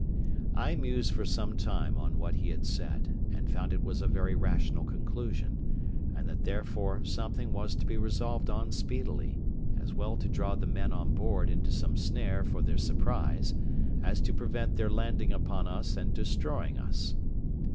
I mused for some time on what he had said, and found it was a very rational conclusion, and that therefore something was to be resolved on speedily, as well to draw the men on board into some snare for their surprise as to prevent their landing upon us, and destroying us.